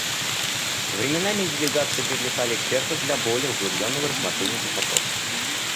Временами делегации привлекали экспертов для более углубленного рассмотрения этих вопросов.